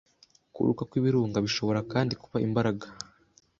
Kuruka kw'ibirunga bishobora kandi kuba imbaraga